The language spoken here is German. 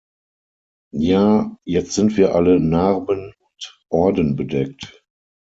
Ja, jetzt sind wir alle narben- und ordenbedeckt.